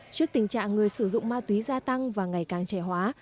trước tình trạng người sử dụng ma túy gia tăng và ngày càng trẻ hóa